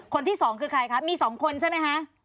คนที่สองคือใครคะมี๒คนใช่ไหมคะ